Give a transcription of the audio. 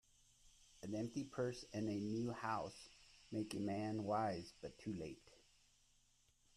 An empty purse, and a new house, make a man wise, but too late.